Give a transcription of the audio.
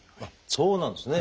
そうなんですね。